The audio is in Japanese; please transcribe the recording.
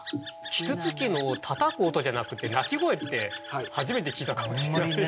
啄木鳥のたたく音じゃなくて鳴き声って初めて聞いたかもしれません。